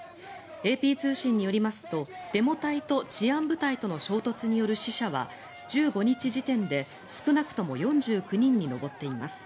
ＡＰ通信によりますとデモ隊と治安部隊との衝突による死者は１５日時点で少なくとも４９人に上っています。